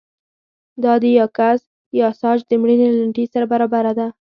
دا د یاکس یاساج د مړینې له نېټې سره برابره ده